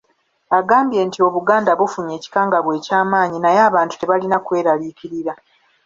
Agambye nti Obuganda bufunye ekikangabwa eky'amaanyi, naye abantu tebalina kweraliikirira.